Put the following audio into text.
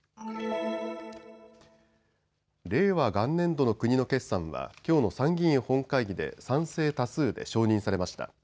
令和元年度の国の決算はきょうの参議院本会議で賛成多数で承認されました。